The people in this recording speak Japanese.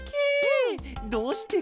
どうしてケロ？